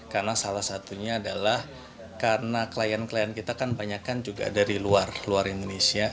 karena salah satunya adalah karena klien klien kita kan banyak kan juga dari luar luar indonesia